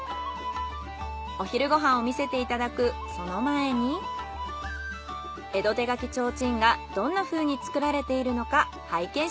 お昼ご飯を見せていただくその前に江戸手描提灯がどんなふうに作られているのか